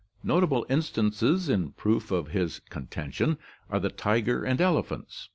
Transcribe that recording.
Notable instances in proof of his contention are the tiger and elephants.